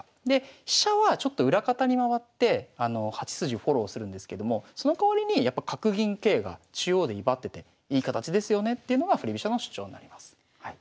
で飛車はちょっと裏方に回って８筋フォローするんですけどもそのかわりに角銀桂が中央で威張ってていい形ですよねっていうのが振り飛車の主張になります。